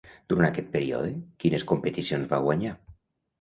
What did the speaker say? Durant aquest període, quines competicions va guanyar?